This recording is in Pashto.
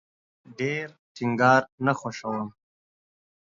ډیر ټینګار نه خوښوم